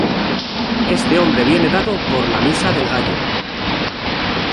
Este nombre viene dado por la misa del gallo.